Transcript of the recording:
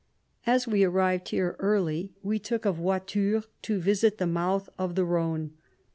As we arrived here early, we took a voiture to visit the mouth of the Rhone.